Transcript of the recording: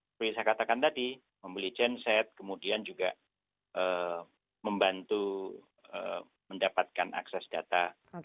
seperti saya katakan tadi membeli genset kemudian juga membantu mendapatkan akses data